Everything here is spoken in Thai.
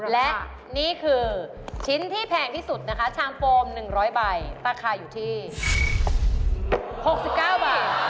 และนี่คือชิ้นที่แพงที่สุดนะคะชามโฟม๑๐๐ใบราคาอยู่ที่๖๙บาท